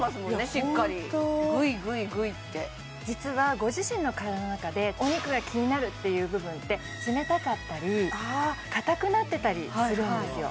しっかりグイグイグイって実はご自身の体の中でお肉が気になるっていう部分って冷たかったり硬くなってたりするんですよ